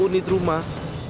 satu unit rumah